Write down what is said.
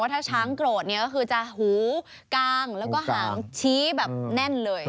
ถ้าช้างโกรธเนี่ยก็คือจะหูกางแล้วก็หางชี้แบบแน่นเลย